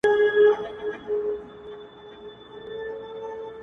نه خرقه پوش نه پر منبر د پرهېز لاپي کوي -